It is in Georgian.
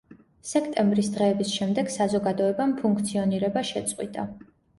სექტემბრის დღეების შემდეგ საზოგადოებამ ფუნქციონირება შეწყვიტა.